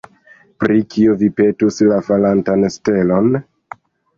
Pri kio vi petus la falantan stelon?